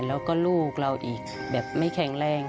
แล้วก็ลูกเราอีกแบบไม่แข็งแรง